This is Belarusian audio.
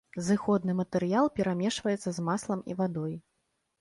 Зыходны матэрыял перамешваецца з маслам і вадой.